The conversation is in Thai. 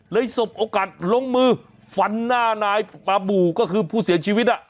เลยสมโอกาสลงมือฝันหน้านายประบู่ก็คือผู้เสียชีวิตอ่ะ